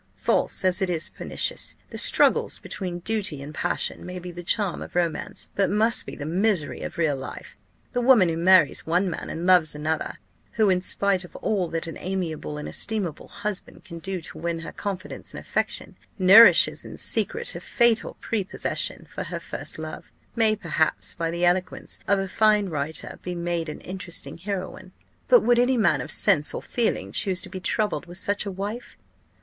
false as it is pernicious! The struggles between duty and passion may be the charm of romance, but must be the misery of real life. The woman who marries one man, and loves another, who, in spite of all that an amiable and estimable husband can do to win her confidence and affection, nourishes in secret a fatal prepossession for her first love, may perhaps, by the eloquence of a fine writer, be made an interesting heroine; but would any man of sense or feeling choose to be troubled with such a wife?